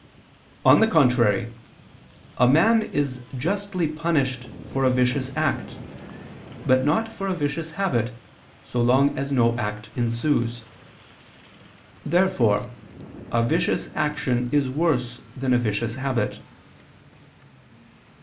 On the contrary, A man is justly punished for a vicious act; but not for a vicious habit, so long as no act ensues. Therefore a vicious action is worse than a vicious habit.